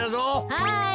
はい。